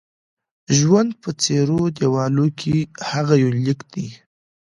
ژوند په څيرو دېوالو کې: هغه یونلیک دی